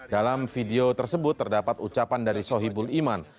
dalam video tersebut terdapat ucapan dari sohibul iman